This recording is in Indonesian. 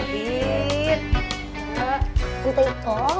enggak ada ini